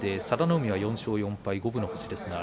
佐田の海、４勝４敗、五分の星。